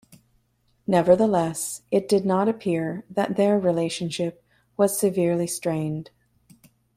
Nevertheless, it did not appear that their relationship was severely strained.